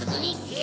え